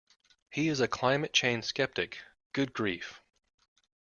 He is a climate change sceptic. Good grief!